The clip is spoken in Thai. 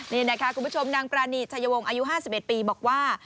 นี่นะคะคุณผู้ชมนางปรานีชายวงอายุ๕๑ปีบอกว่า